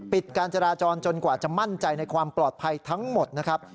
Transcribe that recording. การจราจรจนกว่าจะมั่นใจในความปลอดภัยทั้งหมดนะครับ